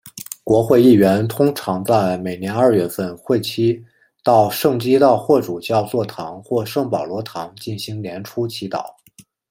国会议员通常在每年二月份会期到圣基道霍主教座堂或圣保罗堂进行年初祈祷。